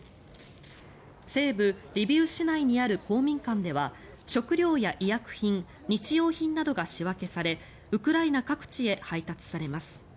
西部リビウ市内にある公民館では食料や医薬品、日用品などが仕分けされウクライナ各地へ配達されます。